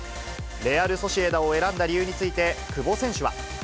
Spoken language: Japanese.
レアル・ソシエダを選んだ理由について、久保選手は。